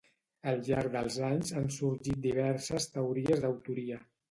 Al llarg dels anys han sorgit diverses teories d'autoria.